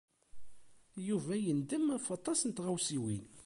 Yuba yendem ɣef waṭas n tɣawsiwin.